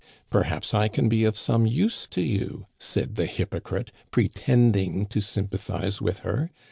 Perhaps I can be of some use to you,' said the hypocrite, pretending to sympathize with her.